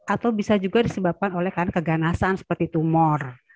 atau bisa juga disebabkan oleh karena keganasan seperti tumor